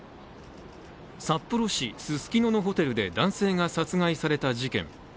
札幌市ススキノのホテルで男性が殺害された事件。